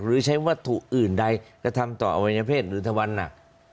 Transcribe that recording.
หรือใช้วัตถุอื่นใดกระทำต่ออวัยเพศหรือทวันหนัก